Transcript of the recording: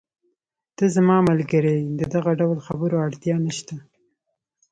ته زما ملګری یې، د دغه ډول خبرو اړتیا نشته.